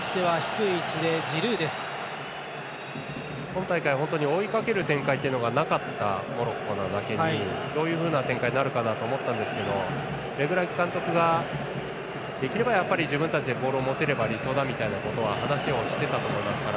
今大会、本当に追いかける展開というのがなかったモロッコなだけにどういうふうな展開になるかなと思いましたがレグラギ監督ができればやっぱり自分たちでボールを持てれば理想だという話をしていたと思いますから